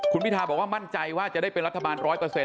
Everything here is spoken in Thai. คุณพิทาบอกว่ามั่นใจว่าจะได้เป็นรัฐบาล๑๐๐